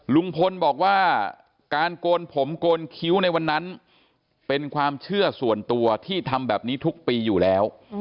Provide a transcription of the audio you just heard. ลุงพลบอกว่าการโกนผมโกนคิ้วในวันนั้นเป็นความเชื่อส่วนตัวที่ทำแบบนี้ทุกปีอยู่แล้ว